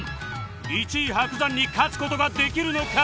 １位伯山に勝つ事ができるのか？